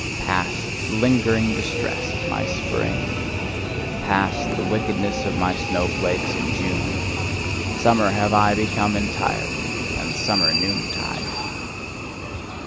Past, the lingering distress of my spring! Past, the wickedness of my snowflakes in June! Summer have I become entirely, and summer noontide!